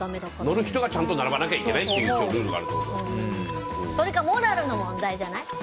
乗る人が、ちゃんと並ばないといけないというそれかモラルの問題じゃない？